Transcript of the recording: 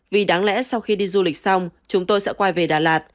vì đáng lẽ sau khi đi du lịch xong chúng tôi sẽ quay về đà lạt